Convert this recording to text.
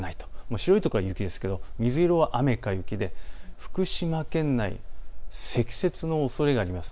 白い所は雪ですけど水色は雨か雪で福島県内、積雪のおそれがあります。